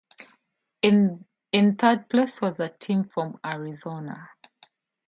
In third place was a team from Arizona.